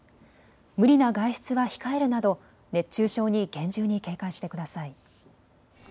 無理な外出は控えるなど熱中症に厳重に警戒してください。